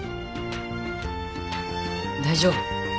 大丈夫。